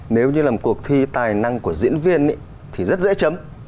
nếu như là một cuộc thi tài năng của diễn viên thì rất dễ chấm